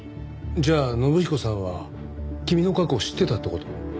じゃあ信彦さんは君の過去を知ってたって事？